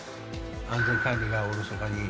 安全管理がおろそかに。